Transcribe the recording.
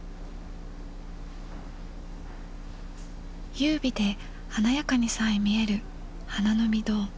優美で華やかにさえ見える花の御堂。